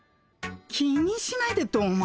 気にしないでってお前。